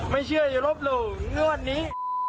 ไม่เชื่ออย่าลบหลู่งวดนี้